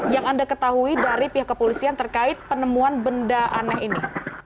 yang anda ketahui dari pihak kepolisian terkait penemuan benda aneh ini